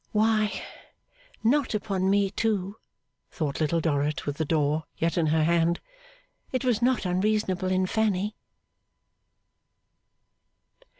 'Why not upon me too!' thought Little Dorrit, with the door yet in her hand. 'It was not unreasonable in Fanny.